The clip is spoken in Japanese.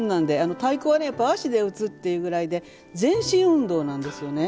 太鼓は足で打つというぐらいで全身運動なんですよね。